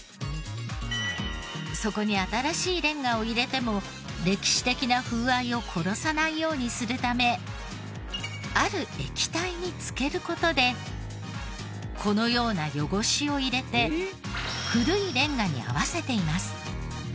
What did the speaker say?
そこに新しいレンガを入れても歴史的な風合いを殺さないようにするためある液体に浸ける事でこのような汚しを入れて古いレンガに合わせています。